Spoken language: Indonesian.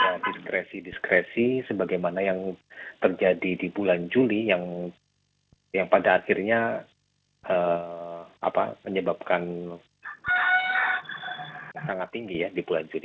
ada diskresi diskresi sebagaimana yang terjadi di bulan juli yang pada akhirnya menyebabkan sangat tinggi ya di bulan juli